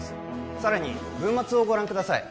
さらに文末をご覧ください